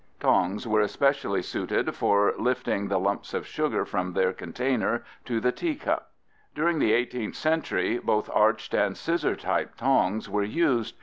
_)] Tongs were especially suited for lifting the lumps of sugar from their container to the teacup. During the 18th century both arched and scissor type tongs were used.